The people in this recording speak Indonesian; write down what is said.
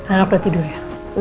anak udah tidur ya